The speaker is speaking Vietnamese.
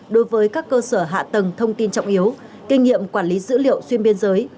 đối với các cơ sở hạ tầng thông tin trọng yếu kinh nghiệm quản lý dữ liệu xuyên biên giới